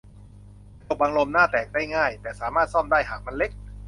กระจกบังลมหน้าแตกได้ง่าย แต่สามารถซ่อมได้หากมันเล็ก